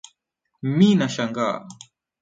mi nashangaa